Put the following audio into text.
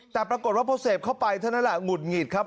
แต่ปรากฏว่าพอเสพเข้าไปเท่านั้นแหละหงุดหงิดครับ